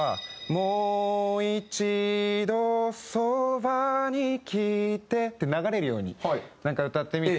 「もう一度そばに来て」って流れるようになんか歌ってみて。